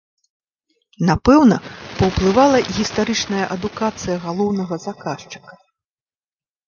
Напэўна, паўплывала гістарычная адукацыя галоўнага заказчыка.